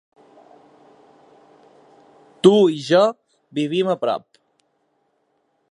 Tu i jo vivim a prop.